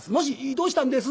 どうしたんです？」。